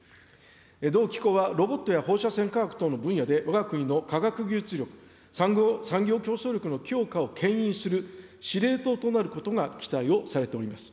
同機構はロボットや放射線科学等の分野で、わが国の科学技術力、産業競争力の強化をけん引する司令塔となることが期待をされております。